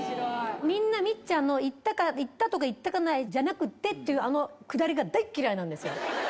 みんなみっちゃんの行ったとか、行ってないとかじゃなくってっていう、あのくだりが大っ嫌いなんですよ。